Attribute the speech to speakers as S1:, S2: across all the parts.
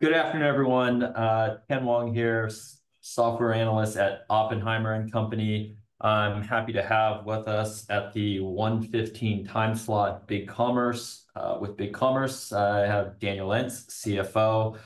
S1: Good afternoon, everyone. Ken Wong here, software analyst at Oppenheimer & Company. I'm happy to have with us at the 1:15 time slot, BigCommerce. With BigCommerce, I have Daniel Lentz, CFO.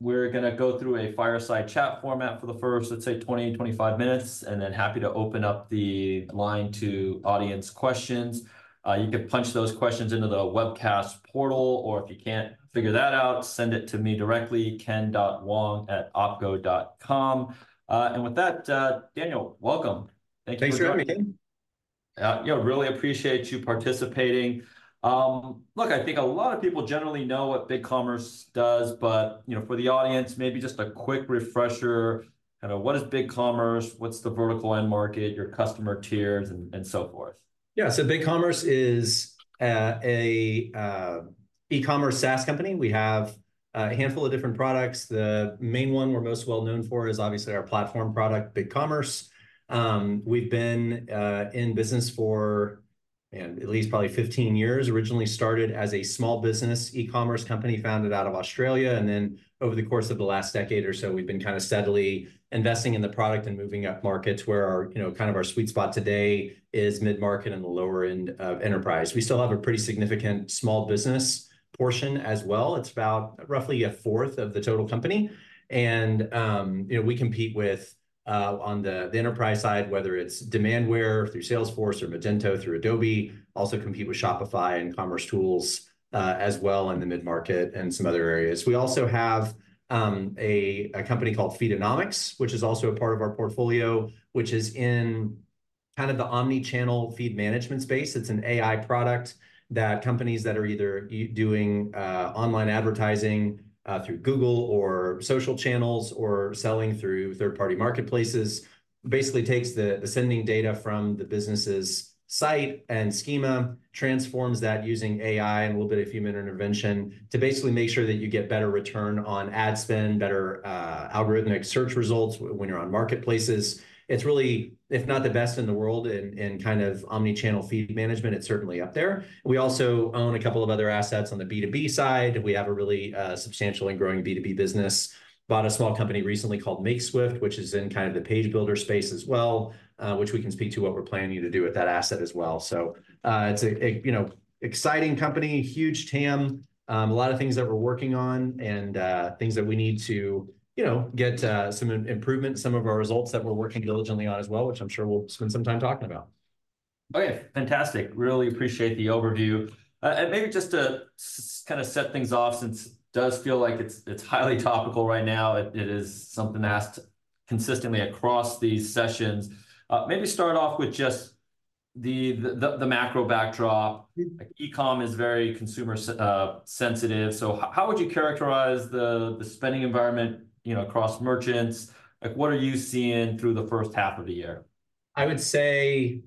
S1: We're gonna go through a fireside chat format for the first, let's say, 20-25 minutes, and then happy to open up the line to audience questions. You can punch those questions into the webcast portal, or if you can't figure that out, send it to me directly, ken.wong@opco.com. And with that, Daniel, welcome. Thank you for joining.
S2: Thanks for having me.
S1: Yeah, really appreciate you participating. Look, I think a lot of people generally know what BigCommerce does, but, you know, for the audience, maybe just a quick refresher, kind of what is BigCommerce, what's the vertical end market, your customer tiers, and, and so forth?
S2: Yeah. So BigCommerce is a e-commerce SaaS company. We have a handful of different products. The main one we're most well known for is obviously our platform product, BigCommerce. We've been in business for, man, at least probably 15 years. Originally started as a small business e-commerce company, founded out of Australia, and then over the course of the last decade or so, we've been kind of steadily investing in the product and moving upmarket, where our, you know, kind of our sweet spot today is mid-market and the lower end of enterprise. We still have a pretty significant small business portion as well. It's about roughly a fourth of the total company, and, you know, we compete with, on the, the enterprise side, whether it's Demandware through Salesforce or Magento through Adobe, also compete with Shopify and Commercetools, as well in the mid-market and some other areas. We also have, a company called Feedonomics, which is also a part of our portfolio, which is in kind of the Omni-channel feed management space. It's an AI product that companies that are either doing, online advertising, through Google or social channels or selling through third-party marketplaces, basically takes the sending data from the business's site and schema, transforms that using AI and a little bit of human intervention to basically make sure that you get better return on ad spend, better, algorithmic search results when you're on marketplaces. It's really, if not the best in the world in, in kind of omni-channel feed management, it's certainly up there. We also own a couple of other assets on the B2B side. We have a really substantial and growing B2B business. Bought a small company recently called Makeswift, which is in kind of the page builder space as well, which we can speak to what we're planning to do with that asset as well. So, it's a, you know, exciting company, huge TAM, a lot of things that we're working on and things that we need to, you know, get some improvement in some of our results that we're working diligently on as well, which I'm sure we'll spend some time talking about.
S1: Okay, fantastic. Really appreciate the overview. And maybe just to kind of set things off, since it does feel like it's highly topical right now, it is something asked consistently across these sessions. Maybe start off with just the macro backdrop. Like, e-com is very consumer sensitive, so how would you characterize the, the spending environment, you know, across merchants? Like, what are you seeing through the first half of the year?
S2: I would say,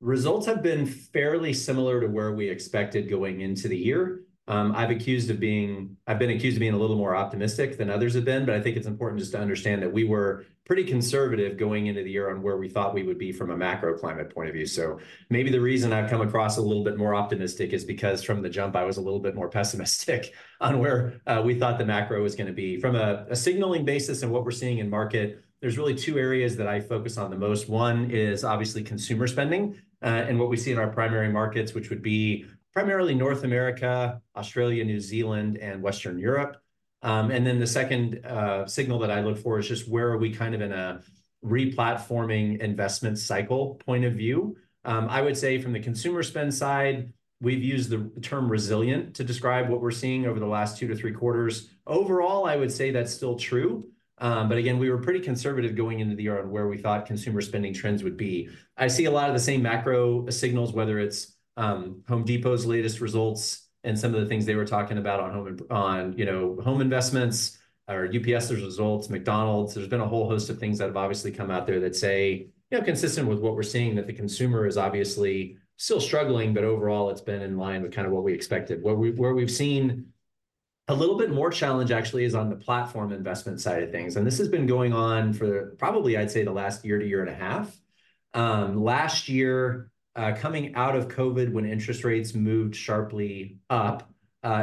S2: results have been fairly similar to where we expected going into the year. I've been accused of being a little more optimistic than others have been, but I think it's important just to understand that we were pretty conservative going into the year on where we thought we would be from a macro climate point of view. So maybe the reason I've come across a little bit more optimistic is because from the jump, I was a little bit more pessimistic on where we thought the macro was gonna be. From a signaling basis and what we're seeing in market, there's really two areas that I focus on the most. One is obviously consumer spending, and what we see in our primary markets, which would be primarily North America, Australia, New Zealand, and Western Europe. And then the second signal that I look for is just where are we kind of in a replatforming investment cycle point of view? I would say from the consumer spend side, we've used the term resilient to describe what we're seeing over the last 2-3 quarters. Overall, I would say that's still true. But again, we were pretty conservative going into the year on where we thought consumer spending trends would be. I see a lot of the same macro signals, whether it's Home Depot's latest results and some of the things they were talking about on, you know, home investments, or UPS's results, McDonald's. There's been a whole host of things that have obviously come out there that say, you know, consistent with what we're seeing, that the consumer is obviously still struggling, but overall, it's been in line with kind of what we expected. Where we've seen a little bit more challenge, actually, is on the platform investment side of things, and this has been going on for probably, I'd say, the last year to year and a half. Last year, coming out of COVID, when interest rates moved sharply up,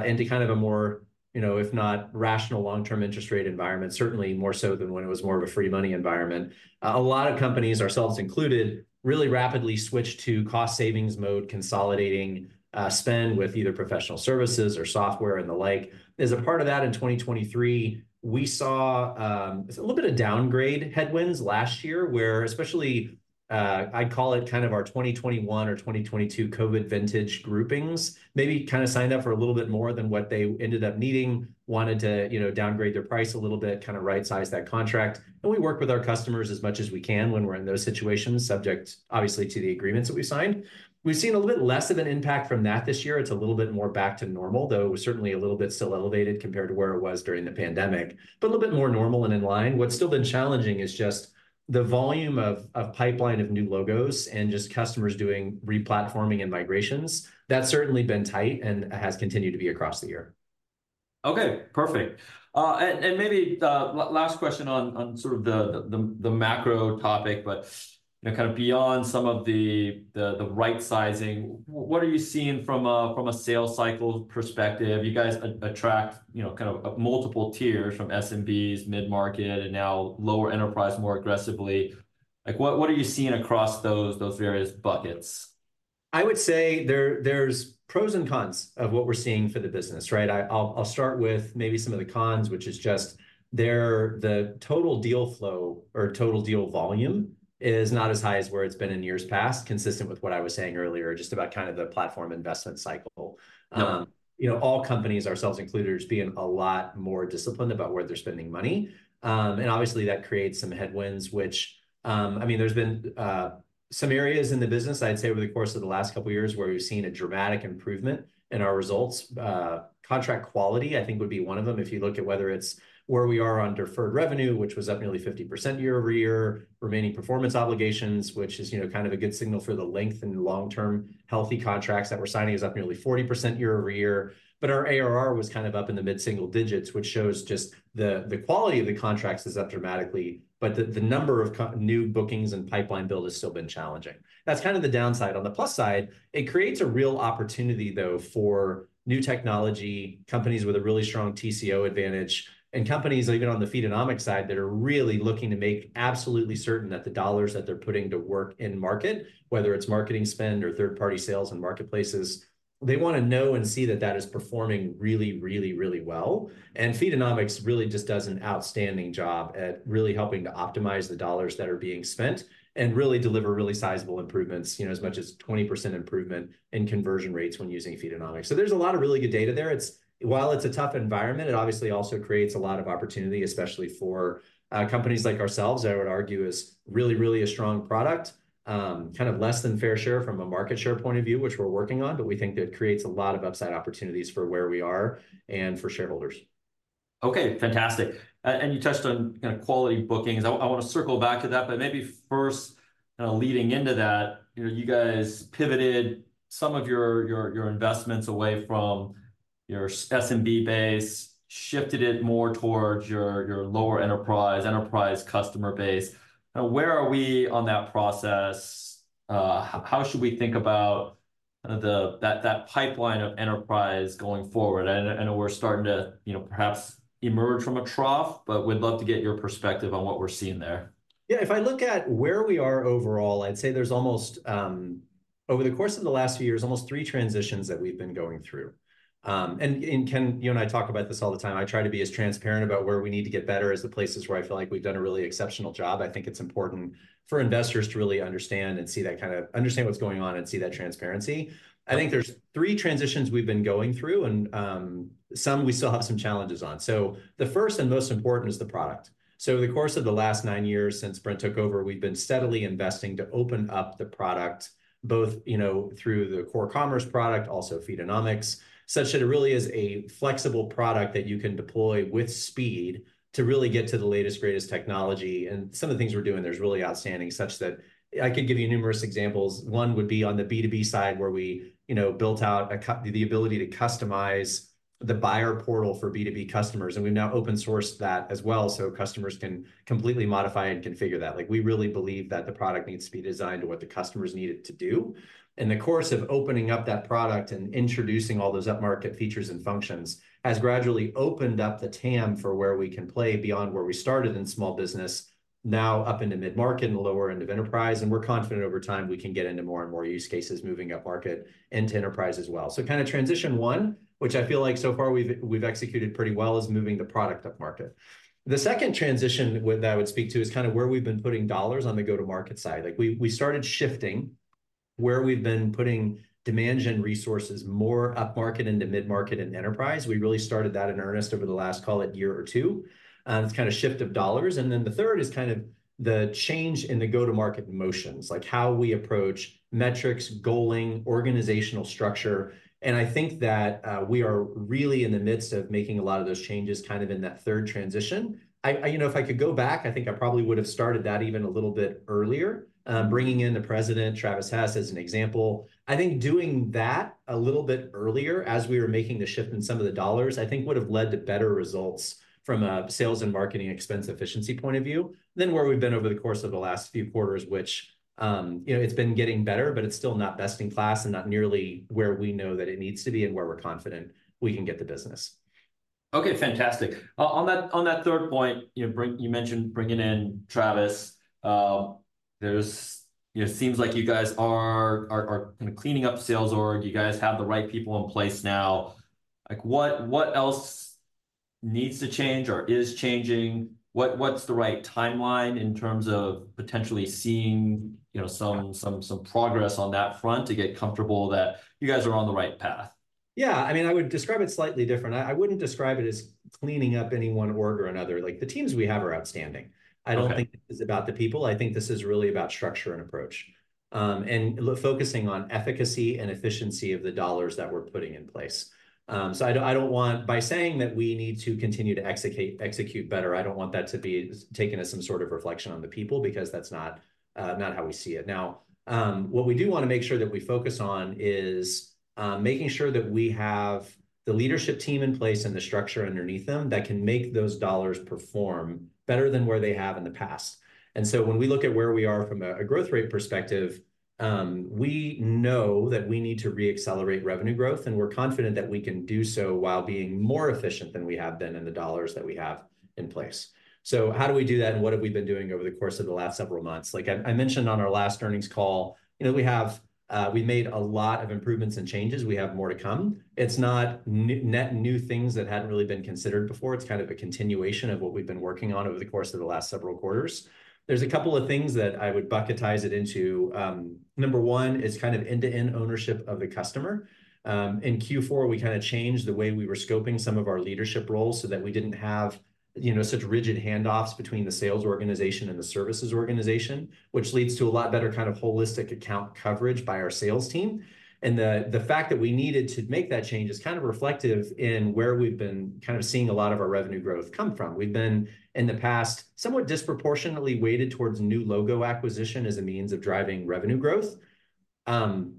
S2: into kind of a more, you know, if not rational, long-term interest rate environment, certainly more so than when it was more of a free money environment, a lot of companies, ourselves included, really rapidly switched to cost savings mode, consolidating, spend with either professional services or software and the like. As a part of that, in 2023, we saw a little bit of downgrade headwinds last year, where especially, I'd call it kind of our 2021 or 2022 COVID-vintage groupings, maybe kind of signed up for a little bit more than what they ended up needing, wanted to, you know, downgrade their price a little bit, kind of rightsize that contract. We work with our customers as much as we can when we're in those situations, subject, obviously, to the agreements that we've signed. We've seen a little bit less of an impact from that this year. It's a little bit more back to normal, though certainly a little bit still elevated compared to where it was during the pandemic, but a little bit more normal and in line. What's still been challenging is just the volume of pipeline of new logos and just customers doing replatforming and migrations. That's certainly been tight and has continued to be across the year.
S1: Okay, perfect. And maybe last question on sort of the macro topic, but you know, kind of beyond some of the right sizing, what are you seeing from a sales cycle perspective? You guys attract, you know, kind of multiple tiers from SMBs, mid-market, and now lower enterprise more aggressively. Like, what are you seeing across those various buckets?
S2: I would say there, there's pros and cons of what we're seeing for the business, right? I'll start with maybe some of the cons, which is just the total deal flow or total deal volume is not as high as where it's been in years past, consistent with what I was saying earlier, just about kind of the platform investment cycle.
S1: Yeah.
S2: You know, all companies, ourselves included, are just being a lot more disciplined about where they're spending money. And obviously, that creates some headwinds, which, I mean, there's been some areas in the business, I'd say over the course of the last couple of years, where we've seen a dramatic improvement in our results. Contract quality, I think, would be one of them. If you look at whether it's where we are on deferred revenue, which was up nearly 50% year-over-year, remaining performance obligations, which is, you know, kind of a good signal for the length and long-term healthy contracts that we're signing, is up nearly 40% year-over-year. But our ARR was kind of up in the mid-single digits, which shows just the quality of the contracts is up dramatically, but the number of new bookings and pipeline build has still been challenging. That's kind of the downside. On the plus side, it creates a real opportunity, though, for new technology companies with a really strong TCO advantage, and companies even on the Feedonomics side, that are really looking to make absolutely certain that the dollars that they're putting to work in-market, whether it's marketing spend or third-party sales and marketplaces, they want to know and see that that is performing really, really, really well. And Feedonomics really just does an outstanding job at really helping to optimize the dollars that are being spent and really deliver really sizable improvements, you know, as much as 20% improvement in conversion rates when using Feedonomics. So there's a lot of really good data there. It's while it's a tough environment, it obviously also creates a lot of opportunity, especially for companies like ourselves, that I would argue is really, really a strong product. Kind of less than fair share from a market share point of view, which we're working on, but we think that creates a lot of upside opportunities for where we are and for shareholders.
S1: Okay, fantastic. And you touched on kind of quality bookings. I want to circle back to that, but maybe first, leading into that, you know, you guys pivoted some of your investments away from your SMB base, shifted it more towards your lower enterprise customer base. Now, where are we on that process? How should we think about that pipeline of enterprise going forward? I know we're starting to, you know, perhaps emerge from a trough, but we'd love to get your perspective on what we're seeing there.
S2: Yeah, if I look at where we are overall, I'd say there's almost, over the course of the last few years, almost three transitions that we've been going through. And Ken, you and I talk about this all the time. I try to be as transparent about where we need to get better as the places where I feel like we've done a really exceptional job. I think it's important for investors to really understand and see that, kind of understand what's going on and see that transparency.
S1: Right.
S2: I think there's three transitions we've been going through, and some we still have some challenges on. So the first and most important is the product. So over the course of the last nine years since Brent took over, we've been steadily investing to open up the product, both, you know, through the core commerce product, also Feedonomics, such that it really is a flexible product that you can deploy with speed to really get to the latest, greatest technology. And some of the things we're doing there is really outstanding, such that I could give you numerous examples. One would be on the B2B side, where we, you know, built out the ability to customize the buyer portal for B2B customers, and we've now open-sourced that as well, so customers can completely modify and configure that. Like, we really believe that the product needs to be designed to what the customers need it to do. In the course of opening up that product and introducing all those upmarket features and functions, has gradually opened up the TAM for where we can play beyond where we started in small business, now up into mid-market and the lower end of enterprise, and we're confident over time we can get into more and more use cases moving upmarket into enterprise as well. So kind of transition one, which I feel like so far we've executed pretty well, is moving the product upmarket. The second transition that I would speak to is kind of where we've been putting dollars on the go-to-market side. Like, we started shifting where we've been putting demand gen resources more upmarket into mid-market and enterprise. We really started that in earnest over the last, call it, year or two. It's kind of shift of dollars. And then the third is kind of the change in the go-to-market motions, like how we approach metrics, goaling, organizational structure, and I think that we are really in the midst of making a lot of those changes, kind of in that third transition. You know, if I could go back, I think I probably would have started that even a little bit earlier. Bringing in the president, Travis Hess, as an example, I think doing that a little bit earlier as we were making the shift in some of the dollars, I think would have led to better results from a sales and marketing expense efficiency point of view than where we've been over the course of the last few quarters, which, you know, it's been getting better, but it's still not best in class and not nearly where we know that it needs to be and where we're confident we can get the business.
S1: Okay, fantastic. On that third point, you know, you mentioned bringing in Travis. You know, it seems like you guys are kind of cleaning up sales org. You guys have the right people in place now. Like, what else needs to change or is changing? What's the right timeline in terms of potentially seeing, you know, some progress on that front to get comfortable that you guys are on the right path?
S2: Yeah, I mean, I would describe it slightly different. I wouldn't describe it as cleaning up any one org or another. Like, the teams we have are outstanding.
S1: Okay.
S2: I don't think this is about the people. I think this is really about structure and approach, and focusing on efficacy and efficiency of the dollars that we're putting in place. So I don't, by saying that we need to continue to execute better, I don't want that to be taken as some sort of reflection on the people, because that's not, not how we see it. Now, what we do wanna make sure that we focus on is making sure that we have the leadership team in place and the structure underneath them that can make those dollars perform better than where they have in the past. And so when we look at where we are from a growth rate perspective, we know that we need to re-accelerate revenue growth, and we're confident that we can do so while being more efficient than we have been in the dollars that we have in place. So how do we do that, and what have we been doing over the course of the last several months? Like I mentioned on our last earnings call, you know, we have, we made a lot of improvements and changes. We have more to come. It's not net new things that hadn't really been considered before. It's kind of a continuation of what we've been working on over the course of the last several quarters. There's a couple of things that I would bucketize it into. Number one is kind of end-to-end ownership of the customer. In Q4, we kind of changed the way we were scoping some of our leadership roles so that we didn't have, you know, such rigid handoffs between the sales organization and the services organization, which leads to a lot better kind of holistic account coverage by our sales team. And the fact that we needed to make that change is kind of reflective in where we've been kind of seeing a lot of our revenue growth come from. We've been, in the past, somewhat disproportionately weighted towards new logo acquisition as a means of driving revenue growth.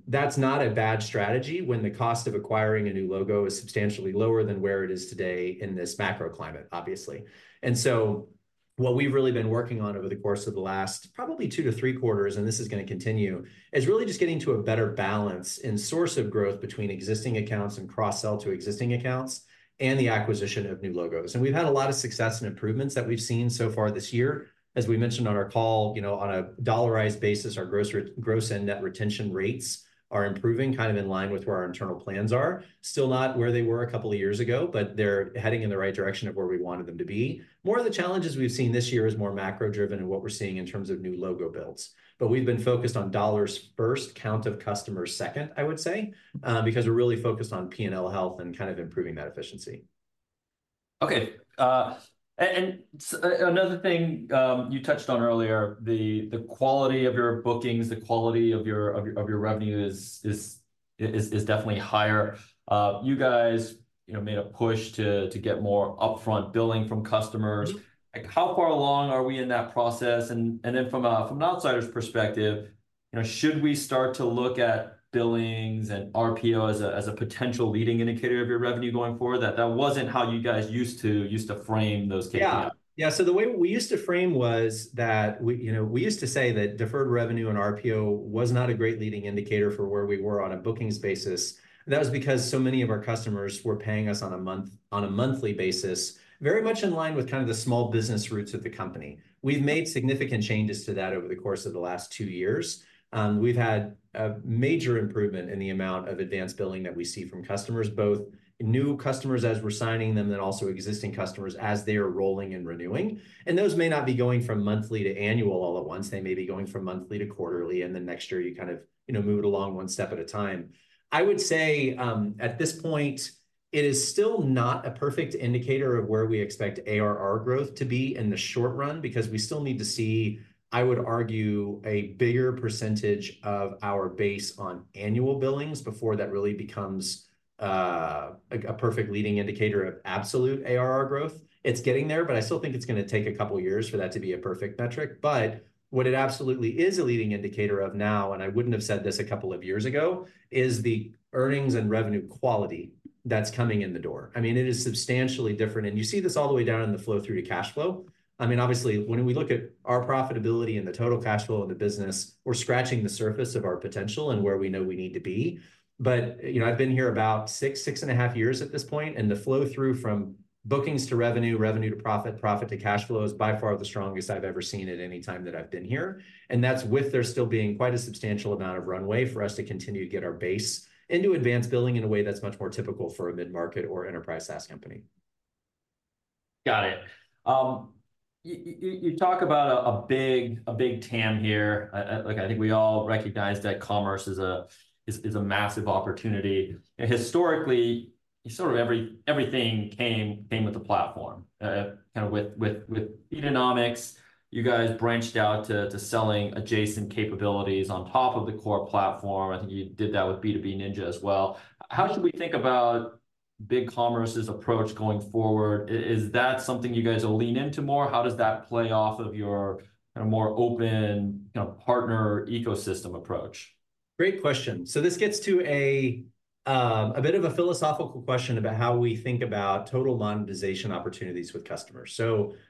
S2: That's not a bad strategy when the cost of acquiring a new logo is substantially lower than where it is today in this macro climate, obviously. And so what we've really been working on over the course of the last probably 2 to 3 quarters, and this is gonna continue, is really just getting to a better balance in source of growth between existing accounts and cross-sell to existing accounts and the acquisition of new logos. And we've had a lot of success and improvements that we've seen so far this year. As we mentioned on our call, you know, on a dollarized basis, our gross and net retention rates are improving, kind of in line with where our internal plans are. Still not where they were a couple of years ago, but they're heading in the right direction of where we wanted them to be. More of the challenges we've seen this year is more macro-driven in what we're seeing in terms of new logo builds, but we've been focused on dollars first, count of customers second, I would say, because we're really focused on P&L health and kind of improving that efficiency.
S1: Okay, and another thing you touched on earlier, the quality of your bookings, the quality of your revenue is definitely higher. You guys, you know, made a push to get more upfront billing from customers. Like, how far along are we in that process? And then from an outsider's perspective, you know, should we start to look at billings and RPO as a potential leading indicator of your revenue going forward? That wasn't how you guys used to frame those KPIs.
S2: Yeah. Yeah, so the way we used to frame was that we, you know, used to say that deferred revenue and RPO was not a great leading indicator for where we were on a bookings basis. That was because so many of our customers were paying us on a monthly basis, very much in line with kind of the small business roots of the company. We've made significant changes to that over the course of the last two years. We've had a major improvement in the amount of advanced billing that we see from customers, both new customers as we're signing them, then also existing customers as they are rolling and renewing, and those may not be going from monthly to annual all at once. They may be going from monthly to quarterly, and then next year, you kind of, you know, move it along one step at a time. I would say, at this point, it is still not a perfect indicator of where we expect ARR growth to be in the short run, because we still need to see, I would argue, a bigger percentage of our base on annual billings before that really becomes a perfect leading indicator of absolute ARR growth. It's getting there, but I still think it's gonna take a couple years for that to be a perfect metric. But what it absolutely is a leading indicator of now, and I wouldn't have said this a couple of years ago, is the earnings and revenue quality that's coming in the door. I mean, it is substantially different, and you see this all the way down in the flow through to cash flow. I mean, obviously, when we look at our profitability and the total cash flow of the business, we're scratching the surface of our potential and where we know we need to be. But, you know, I've been here about 6, 6.5 years at this point, and the flow through from bookings to revenue, revenue to profit, profit to cash flow is by far the strongest I've ever seen at any time that I've been here, and that's with there still being quite a substantial amount of runway for us to continue to get our base into advanced billing in a way that's much more typical for a mid-market or enterprise SaaS company.
S1: Got it. You talk about a big TAM here. Like, I think we all recognize that commerce is a massive opportunity, and historically, sort of everything came with a platform. Kind of with economics, you guys branched out to selling adjacent capabilities on top of the core platform. I think you did that with B2B Ninja as well. How should we think about BigCommerce's approach going forward? Is that something you guys will lean into more? How does that play off of your kind of more open, you know, partner ecosystem approach?
S2: Great question. So this gets to a bit of a philosophical question about how we think about total monetization opportunities with customers.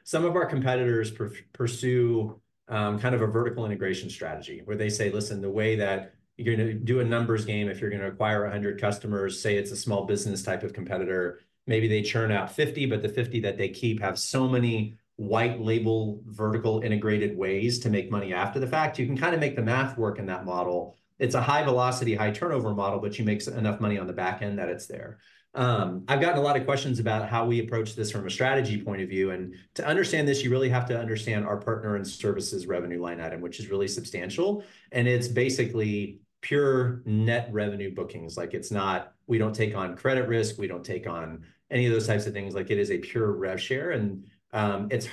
S2: Some of our competitors pursue kind of a vertical integration strategy, where they say, "Listen, the way that you're gonna do a numbers game, if you're gonna acquire 100 customers," say it's a small business type of competitor, maybe they churn out 50, but the 50 that they keep have so many white label, vertical integrated ways to make money after the fact. You can kind of make the math work in that model. It's a high velocity, high turnover model, but you make enough money on the back end that it's there. I've gotten a lot of questions about how we approach this from a strategy point of view, and to understand this, you really have to understand our partner and services revenue line item, which is really substantial, and it's basically pure net revenue bookings. Like, it's not... We don't take on credit risk. We don't take on any of those types of things. Like, it is a pure rev share, and it's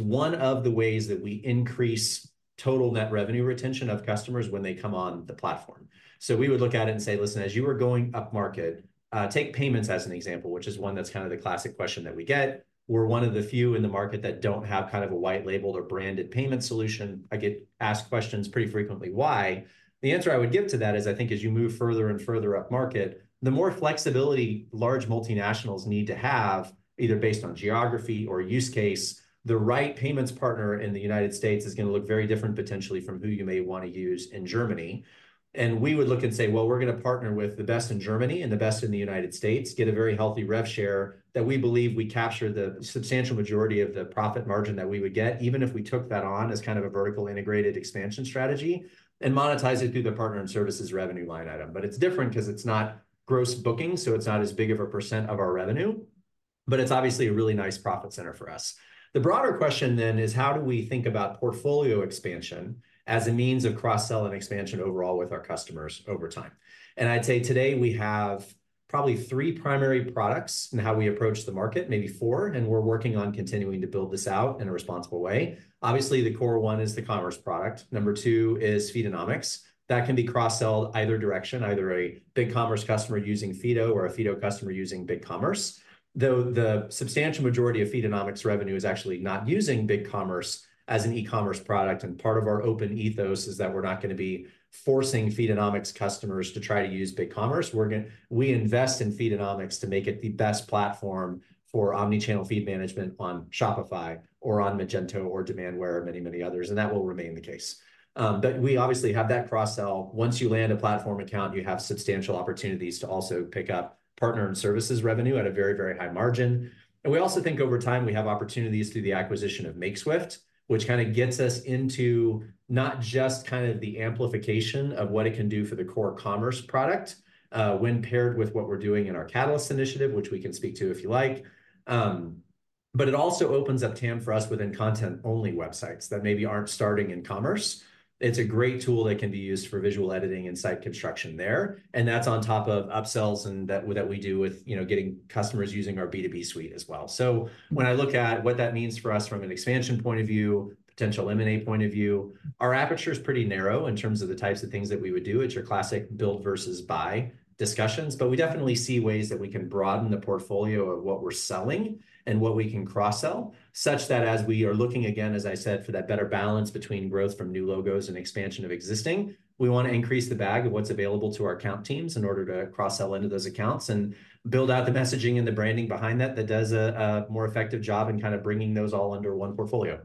S2: one of the ways that we increase total net revenue retention of customers when they come on the platform. So we would look at it and say, "Listen, as you are going upmarket," take payments as an example, which is one that's kind of the classic question that we get. We're one of the few in the market that don't have kind of a white labeled or branded payment solution. I get asked questions pretty frequently why. The answer I would give to that is, I think as you move further and further upmarket, the more flexibility large multinationals need to have, either based on geography or use case, the right payments partner in the United States is gonna look very different potentially from who you may want to use in Germany. And we would look and say, "Well, we're gonna partner with the best in Germany and the best in the United States," get a very healthy rev share that we believe we capture the substantial majority of the profit margin that we would get, even if we took that on as kind of a vertical integrated expansion strategy, and monetize it through the partner and services revenue line item. But it's different 'cause it's not gross bookings, so it's not as big of a percent of our revenue, but it's obviously a really nice profit center for us. The broader question then is: how do we think about portfolio expansion as a means of cross-sell and expansion overall with our customers over time? And I'd say today we have probably three primary products in how we approach the market, maybe four, and we're working on continuing to build this out in a responsible way. Obviously, the core one is the commerce product. Number 2 is Feedonomics. That can be cross-sell either direction, either a BigCommerce customer using Feedonomics or a Feedonomics customer using BigCommerce, though the substantial majority of Feedonomics revenue is actually not using BigCommerce as an e-commerce product, and part of our open ethos is that we're not gonna be forcing Feedonomics customers to try to use BigCommerce. We invest in Feedonomics to make it the best platform for omni-channel feed management on Shopify or on Magento or Demandware, or many, many others, and that will remain the case. But we obviously have that cross-sell. Once you land a platform account, you have substantial opportunities to also pick up partner and services revenue at a very, very high margin. We also think over time we have opportunities through the acquisition of Makeswift, which kind of gets us into not just kind of the amplification of what it can do for the core commerce product, when paired with what we're doing in our Catalyst initiative, which we can speak to if you like, but it also opens up TAM for us within content-only websites that maybe aren't starting in commerce. It's a great tool that can be used for visual editing and site construction there, and that's on top of upsells and that we do with, you know, getting customers using our B2B suite as well. So when I look at what that means for us from an expansion point of view, potential M&A point of view, our aperture is pretty narrow in terms of the types of things that we would do. It's your classic build versus buy discussions, but we definitely see ways that we can broaden the portfolio of what we're selling and what we can cross-sell, such that as we are looking, again, as I said, for that better balance between growth from new logos and expansion of existing, we want to increase the bag of what's available to our account teams in order to cross-sell into those accounts and build out the messaging and the branding behind that, that does a more effective job in kind of bringing those all under one portfolio.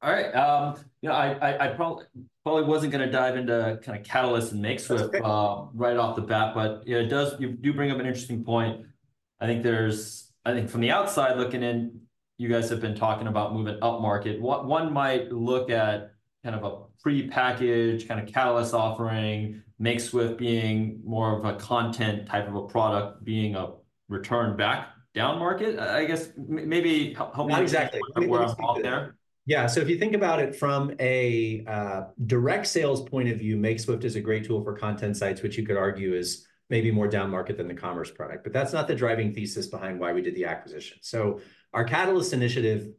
S1: All right. You know, I probably wasn't gonna dive into kind of Catalyst and Makeswift-
S2: That's okay.
S1: Right off the bat, but, you know, it does... You do bring up an interesting point. I think there's-- I think from the outside looking in, you guys have been talking about moving upmarket. One, one might look at kind of a prepackaged kind of Catalyst offering, Makeswift being more of a content type of a product, being a return back downmarket. I, I guess maybe help me-
S2: Exactly.
S1: Where I'm wrong there.
S2: Yeah, so if you think about it from a direct sales point of view, Makeswift is a great tool for content sites, which you could argue is maybe more downmarket than the commerce product, but that's not the driving thesis behind why we did the acquisition. So our Catalyst initiative,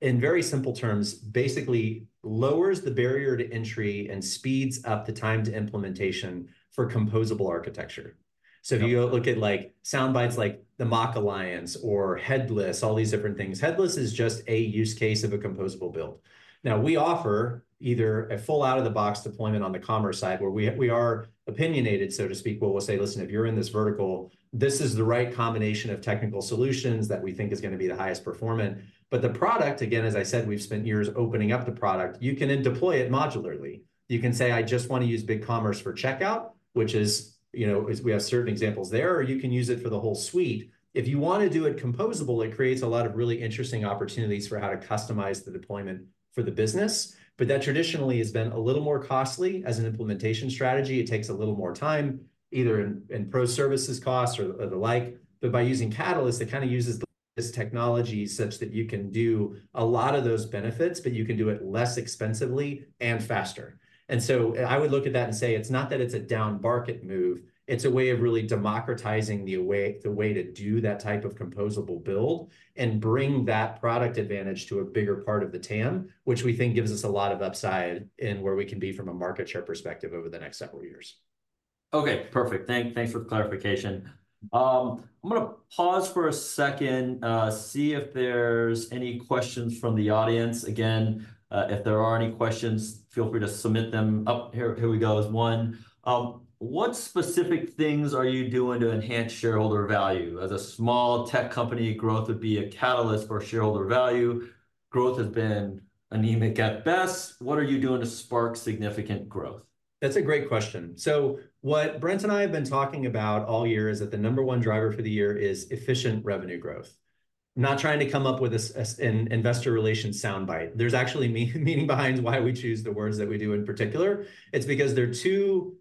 S2: in very simple terms, basically lowers the barrier to entry and speeds up the time to implementation for composable architecture. So if you look at, like, soundbites like the MACH Alliance or headless, all these different things, headless is just a use case of a composable build. Now, we offer either a full out-of-the-box deployment on the commerce side, where we are opinionated, so to speak. Well, we'll say: Listen, if you're in this vertical, this is the right combination of technical solutions that we think is gonna be the highest performing. But the product, again, as I said, we've spent years opening up the product. You can then deploy it modularly. You can say, "I just want to use BigCommerce for checkout," which is, you know, we have certain examples there, or you can use it for the whole suite. If you want to do it composable, it creates a lot of really interesting opportunities for how to customize the deployment for the business, but that traditionally has been a little more costly as an implementation strategy. It takes a little more time, either in pro services costs or the like, but by using Catalyst, it kind of uses this technology such that you can do a lot of those benefits, but you can do it less expensively and faster. I would look at that and say, it's not that it's a downmarket move, it's a way of really democratizing the way to do that type of composable build and bring that product advantage to a bigger part of the TAM, which we think gives us a lot of upside in where we can be from a market share perspective over the next several years.
S1: Okay, perfect. Thanks for the clarification. I'm gonna pause for a second, see if there's any questions from the audience. Again, if there are any questions, feel free to submit them. Oh, here we go with one. What specific things are you doing to enhance shareholder value? As a small tech company, growth would be a catalyst for shareholder value. Growth has been anemic at best. What are you doing to spark significant growth?
S2: That's a great question. So what Brent and I have been talking about all year is that the number one driver for the year is efficient revenue growth. Not trying to come up with an investor relations soundbite. There's actually meaning behind why we choose the words that we do in particular. It's because there are two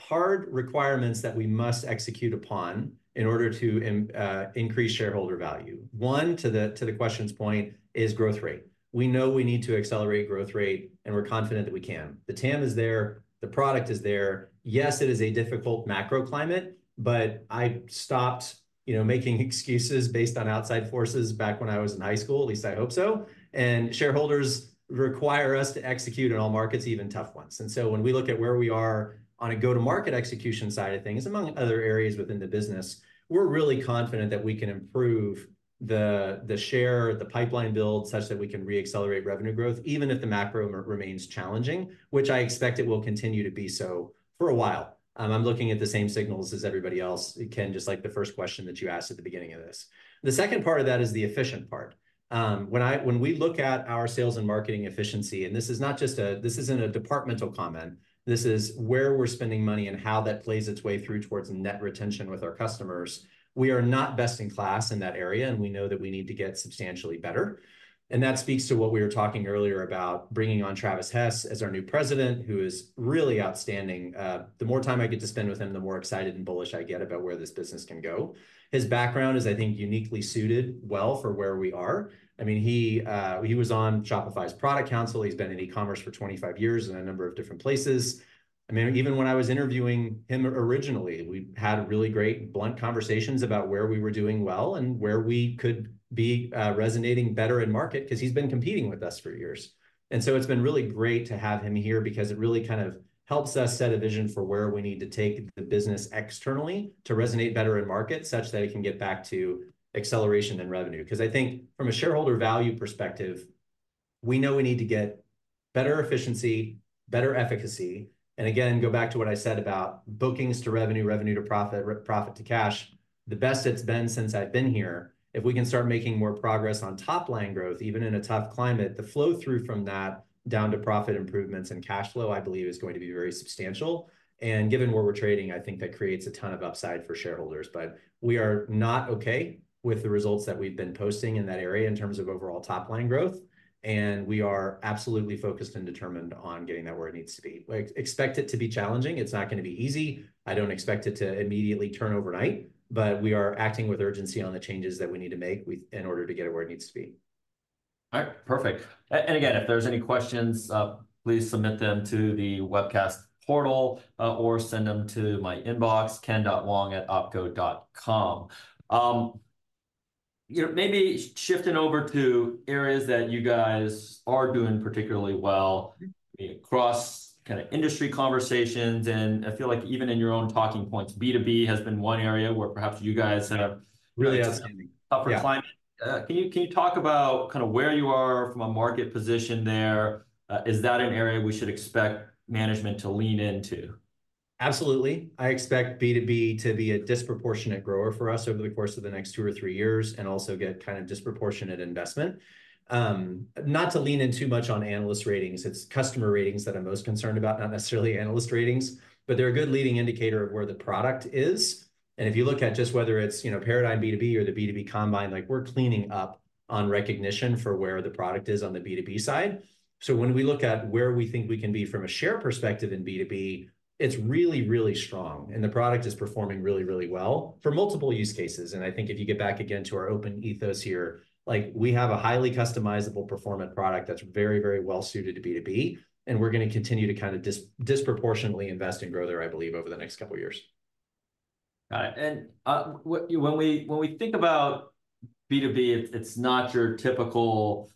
S2: hard requirements that we must execute upon in order to increase shareholder value. One, to the question's point, is growth rate. We know we need to accelerate growth rate, and we're confident that we can. The TAM is there, the product is there. Yes, it is a difficult macro climate, but I stopped, you know, making excuses based on outside forces back when I was in high school, at least I hope so, and shareholders require us to execute in all markets, even tough ones. And so when we look at where we are on a go-to-market execution side of things, among other areas within the business, we're really confident that we can improve the share, the pipeline build such that we can reaccelerate revenue growth, even if the macro remains challenging, which I expect it will continue to be so for a while. I'm looking at the same signals as everybody else. Ken, just like the first question that you asked at the beginning of this. The second part of that is the efficient part. When we look at our sales and marketing efficiency, and this is not just a departmental comment, this is where we're spending money and how that plays its way through towards net retention with our customers, we are not best-in-class in that area, and we know that we need to get substantially better. And that speaks to what we were talking earlier about bringing on Travis Hess as our new president, who is really outstanding. The more time I get to spend with him, the more excited and bullish I get about where this business can go. His background is, I think, uniquely suited well for where we are. I mean, he was on Shopify's Product Council. He's been in e-commerce for 25 years in a number of different places. I mean, even when I was interviewing him originally, we had really great, blunt conversations about where we were doing well and where we could be resonating better in market, 'cause he's been competing with us for years. And so it's been really great to have him here because it really kind of helps us set a vision for where we need to take the business externally to resonate better in market, such that it can get back to acceleration and revenue. 'Cause I think from a shareholder value perspective, we know we need to get better efficiency, better efficacy, and again, go back to what I said about bookings to revenue, revenue to profit, profit to cash, the best it's been since I've been here. If we can start making more progress on top line growth, even in a tough climate, the flow-through from that down to profit improvements and cash flow, I believe, is going to be very substantial. Given where we're trading, I think that creates a ton of upside for shareholders. We are not okay with the results that we've been posting in that area in terms of overall top line growth, and we are absolutely focused and determined on getting that where it needs to be. We expect it to be challenging. It's not gonna be easy. I don't expect it to immediately turn overnight, but we are acting with urgency on the changes that we need to make in order to get it where it needs to be.
S1: All right, perfect. And again, if there's any questions, please submit them to the webcast portal, or send them to my inbox, ken.wong@opco.com. You know, maybe shifting over to areas that you guys are doing particularly well across kind of industry conversations, and I feel like even in your own talking points, B2B has been one area where perhaps you guys have-
S2: Really outstanding.
S1: Tougher climate.
S2: Yeah.
S1: Can you talk about kind of where you are from a market position there? Is that an area we should expect management to lean into?
S2: Absolutely. I expect B2B to be a disproportionate grower for us over the course of the next two or three years, and also get kind of disproportionate investment. Not to lean in too much on analyst ratings, it's customer ratings that I'm most concerned about, not necessarily analyst ratings, but they're a good leading indicator of where the product is. And if you look at just whether it's, you know, Paradigm B2B or the B2B Combine, like, we're cleaning up on recognition for where the product is on the B2B side. So when we look at where we think we can be from a share perspective in B2B, it's really, really strong, and the product is performing really, really well for multiple use cases. I think if you get back again to our open ethos here, like, we have a highly customizable performant product that's very, very well suited to B2B, and we're gonna continue to kind of disproportionately invest and grow there, I believe, over the next couple of years.
S1: Got it. And when we think about B2B, it's not your typical,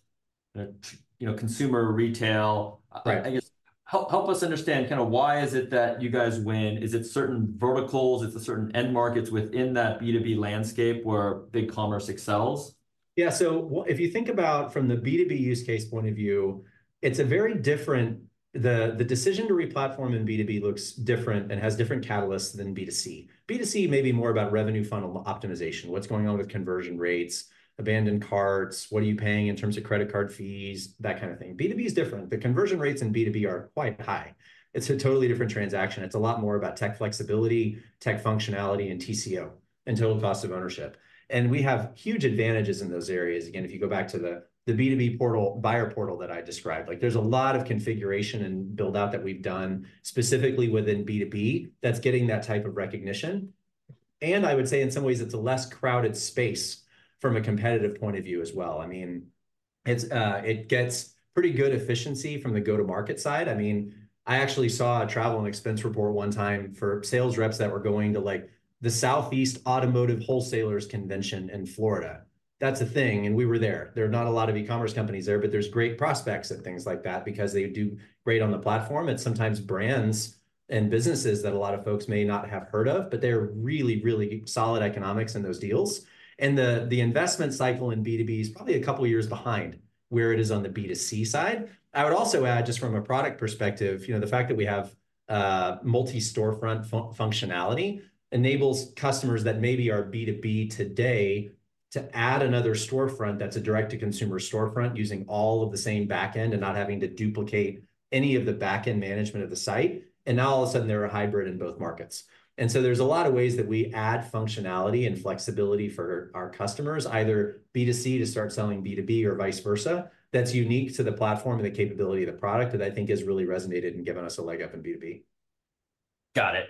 S1: you know, consumer retail.
S2: Right.
S1: I guess, help us understand kind of why is it that you guys win? Is it certain verticals? It's a certain end markets within that B2B landscape where BigCommerce excels?
S2: Yeah, so if you think about from the B2B use case point of view, it's a very different. The decision to re-platform in B2B looks different and has different catalysts than B2C. B2C may be more about revenue funnel optimization, what's going on with conversion rates, abandoned carts, what are you paying in terms of credit card fees, that kind of thing. B2B is different. The conversion rates in B2B are quite high. It's a totally different transaction. It's a lot more about tech flexibility, tech functionality, and TCO, and total cost of ownership, and we have huge advantages in those areas. Again, if you go back to the B2B portal, buyer portal that I described, like, there's a lot of configuration and build-out that we've done specifically within B2B that's getting that type of recognition. I would say in some ways, it's a less crowded space from a competitive point of view as well. I mean, it's it gets pretty good efficiency from the go-to-market side. I mean, I actually saw a travel and expense report one time for sales reps that were going to, like, the Southeast Automotive Wholesalers Convention in Florida. That's a thing, and we were there. There are not a lot of e-commerce companies there, but there's great prospects at things like that because they do great on the platform, and sometimes brands and businesses that a lot of folks may not have heard of, but they're really, really solid economics in those deals. And the investment cycle in B2B is probably a couple of years behind where it is on the B2C side. I would also add, just from a product perspective, you know, the fact that we have multi-storefront functionality enables customers that maybe are B2B today to add another storefront that's a direct-to-consumer storefront using all of the same back end, and not having to duplicate any of the back-end management of the site. And now all of a sudden, they're a hybrid in both markets. And so there's a lot of ways that we add functionality and flexibility for our customers, either B2C to start selling B2B or vice versa, that's unique to the platform and the capability of the product, that I think has really resonated and given us a leg up in B2B.
S1: Got it.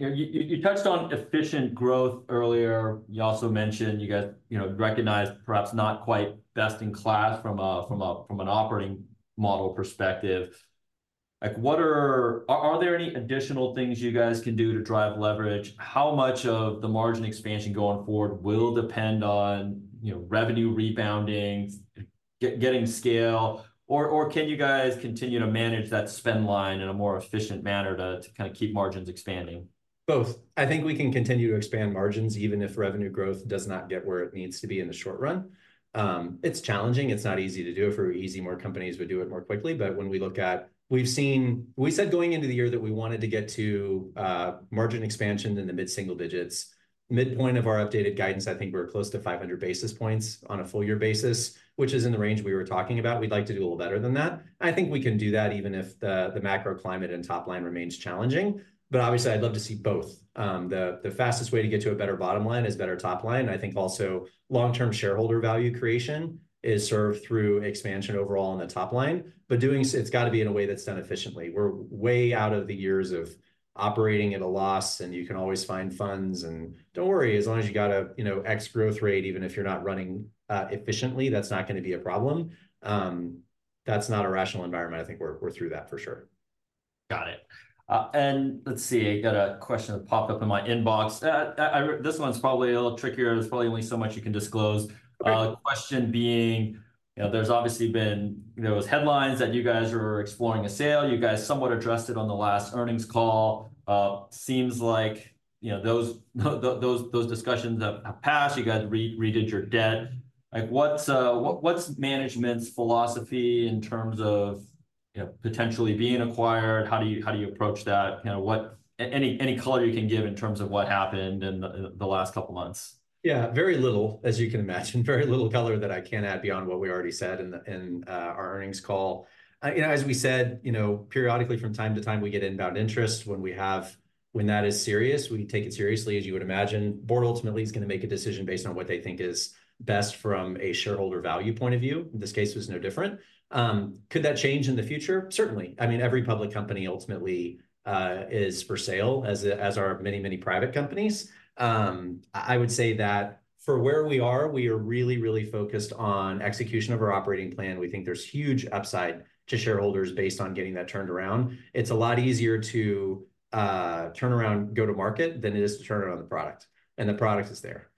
S1: You know, you touched on efficient growth earlier. You also mentioned you guys, you know, recognized perhaps not quite best-in-class from an operating model perspective. Like, are there any additional things you guys can do to drive leverage? How much of the margin expansion going forward will depend on, you know, revenue rebounding, getting scale, or can you guys continue to manage that spend line in a more efficient manner to kind of keep margins expanding?
S2: Both. I think we can continue to expand margins, even if revenue growth does not get where it needs to be in the short run. It's challenging. It's not easy to do. If it were easy, more companies would do it more quickly. But when we look at, we said going into the year that we wanted to get to margin expansion in the mid-single digits. Midpoint of our updated guidance, I think we're close to 500 basis points on a full-year basis, which is in the range we were talking about. We'd like to do a little better than that. I think we can do that even if the macro climate and top line remains challenging, but obviously, I'd love to see both. The fastest way to get to a better bottom line is better top line. I think also long-term shareholder value creation is served through expansion overall on the top line, but doing so, it's got to be in a way that's done efficiently. We're way out of the years of operating at a loss, and you can always find funds, and don't worry, as long as you got a, you know, X growth rate, even if you're not running efficiently, that's not gonna be a problem. That's not a rational environment. I think we're through that for sure.
S1: Got it. And let's see. I got a question that popped up in my inbox. This one's probably a little trickier. There's probably only so much you can disclose.
S2: Right.
S1: The question being, you know, there's obviously been, there was headlines that you guys were exploring a sale. You guys somewhat addressed it on the last earnings call. Seems like, you know, those discussions have passed. You guys redid your debt. Like, what's management's philosophy in terms of, you know, potentially being acquired? How do you approach that? You know, any color you can give in terms of what happened in the last couple months?
S2: Yeah, very little, as you can imagine, very little color that I can add beyond what we already said in our earnings call. You know, as we said, you know, periodically from time to time, we get inbound interest when that is serious, we take it seriously, as you would imagine. Board ultimately is gonna make a decision based on what they think is best from a shareholder value point of view. This case was no different. Could that change in the future? Certainly. I mean, every public company ultimately is for sale, as are many, many private companies. I would say that for where we are, we are really, really focused on execution of our operating plan. We think there's huge upside to shareholders based on getting that turned around. It's a lot easier to turn around, go to market, than it is to turn around the product, and the product is there.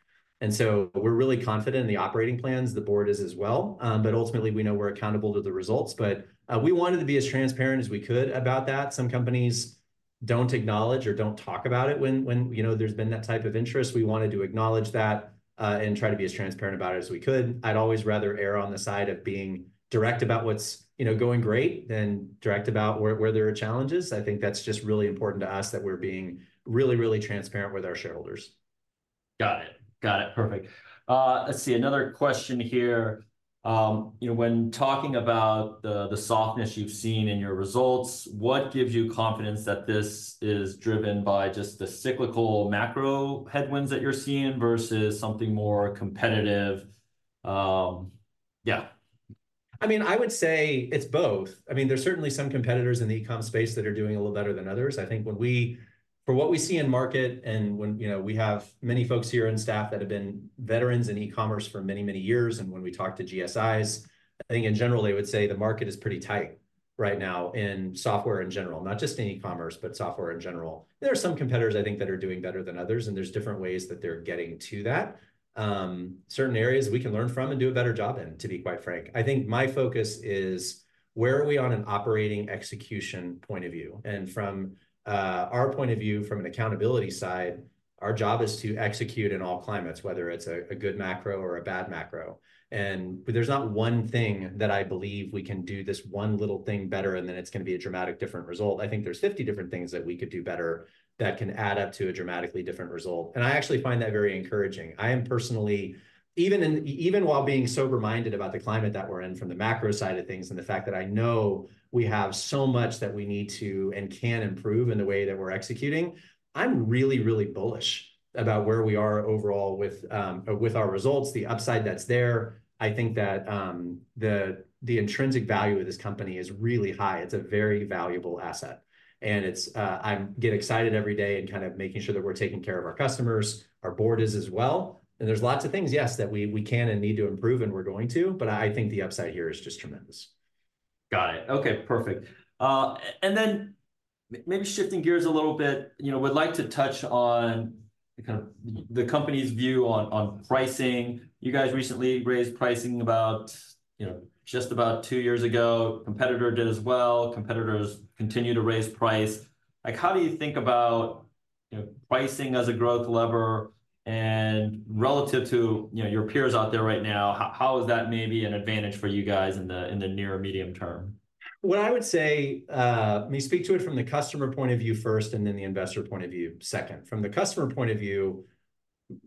S2: And so we're really confident in the operating plans. The board is as well. But ultimately, we know we're accountable to the results. But we wanted to be as transparent as we could about that. Some companies don't acknowledge or don't talk about it when you know, there's been that type of interest. We wanted to acknowledge that, and try to be as transparent about it as we could. I'd always rather err on the side of being direct about what's you know, going great than direct about where there are challenges. I think that's just really important to us, that we're being really, really transparent with our shareholders.
S1: Got it. Got it, perfect. Let's see, another question here. You know, when talking about the, the softness you've seen in your results, what gives you confidence that this is driven by just the cyclical macro headwinds that you're seeing versus something more competitive? Yeah.
S2: I mean, I would say it's both. I mean, there's certainly some competitors in the e-com space that are doing a little better than others. I think, from what we see in market, and when, you know, we have many folks here in staff that have been veterans in e-commerce for many, many years, and when we talk to GSIs, I think in general, they would say the market is pretty tight right now in software in general. Not just in e-commerce, but software in general. There are some competitors, I think, that are doing better than others, and there's different ways that they're getting to that. Certain areas we can learn from and do a better job in, to be quite frank. I think my focus is: where are we on an operating execution point of view? And from our point of view, from an accountability side, our job is to execute in all climates, whether it's a good macro or a bad macro. And there's not one thing that I believe we can do this one little thing better, and then it's gonna be a dramatic different result. I think there's 50 different things that we could do better that can add up to a dramatically different result, and I actually find that very encouraging. I am personally even in, even while being sober-minded about the climate that we're in from the macro side of things and the fact that I know we have so much that we need to and can improve in the way that we're executing, I'm really, really bullish about where we are overall with, with our results, the upside that's there. I think that the intrinsic value of this company is really high. It's a very valuable asset, and it's... I get excited every day in kind of making sure that we're taking care of our customers. Our board is as well. And there's lots of things, yes, that we can and need to improve, and we're going to, but I think the upside here is just tremendous.
S1: Got it. Okay, perfect. And then maybe shifting gears a little bit, you know, would like to touch on the kind of, the company's view on, on pricing. You guys recently raised pricing about, you know, just about two years ago. Competitor did as well. Competitors continue to raise price. Like, how do you think about, you know, pricing as a growth lever, and relative to, you know, your peers out there right now, how is that maybe an advantage for you guys in the, in the near medium term?
S2: What I would say, let me speak to it from the customer point of view first, and then the investor point of view second. From the customer point of view,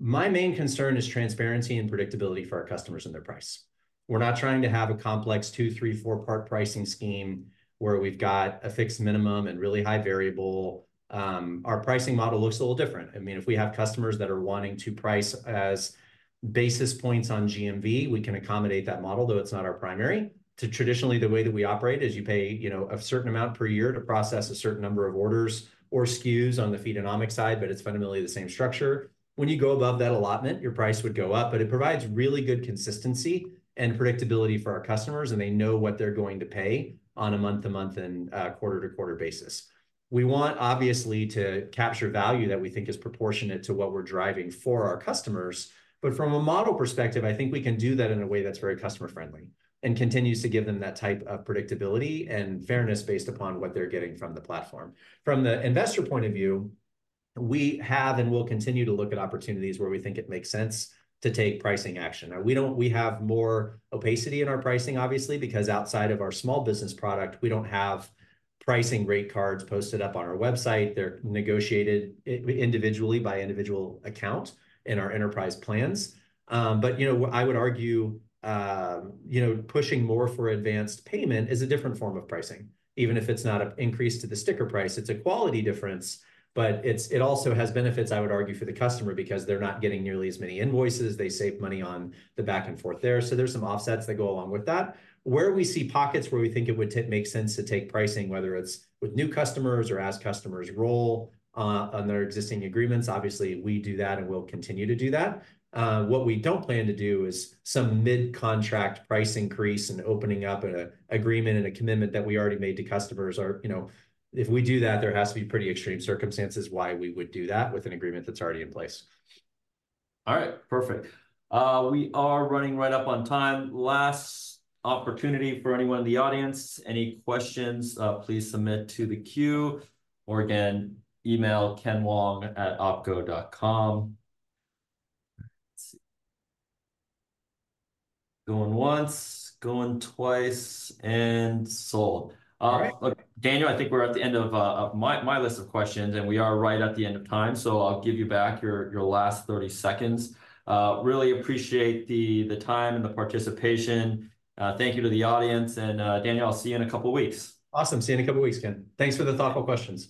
S2: my main concern is transparency and predictability for our customers and their price. We're not trying to have a complex 2, 3, 4-part pricing scheme, where we've got a fixed minimum and really high variable. Our pricing model looks a little different. I mean, if we have customers that are wanting to price as basis points on GMV, we can accommodate that model, though it's not our primary. Traditionally, the way that we operate is you pay, you know, a certain amount per year to process a certain number of orders or SKUs on the Feedonomics side, but it's fundamentally the same structure. When you go above that allotment, your price would go up, but it provides really good consistency and predictability for our customers, and they know what they're going to pay on a month-to-month and quarter-to-quarter basis. We want, obviously, to capture value that we think is proportionate to what we're driving for our customers. But from a model perspective, I think we can do that in a way that's very customer-friendly and continues to give them that type of predictability and fairness based upon what they're getting from the platform. From the investor point of view, we have and will continue to look at opportunities where we think it makes sense to take pricing action. Now, we don't. We have more opacity in our pricing, obviously, because outside of our small business product, we don't have pricing rate cards posted up on our website. They're negotiated individually by individual account in our enterprise plans. But, you know, I would argue, you know, pushing more for advanced payment is a different form of pricing. Even if it's not an increase to the sticker price, it's a quality difference, but it also has benefits, I would argue, for the customer because they're not getting nearly as many invoices. They save money on the back and forth there. So there's some offsets that go along with that. Where we see pockets where we think it would make sense to take pricing, whether it's with new customers or as customers roll on their existing agreements, obviously, we do that, and we'll continue to do that. What we don't plan to do is some mid-contract price increase and opening up an agreement and a commitment that we already made to customers. Or, you know, if we do that, there has to be pretty extreme circumstances why we would do that with an agreement that's already in place.
S1: All right, perfect. We are running right up on time. Last opportunity for anyone in the audience. Any questions, please submit to the queue, or again, email kenwong@opco.com. Let's see. Going once, going twice, and sold.
S2: All right.
S1: Daniel, I think we're at the end of my list of questions, and we are right at the end of time, so I'll give you back your last 30 seconds. Really appreciate the time and the participation. Thank you to the audience. Daniel, I'll see you in a couple of weeks.
S2: Awesome. See you in a couple weeks, Ken. Thanks for the thoughtful questions.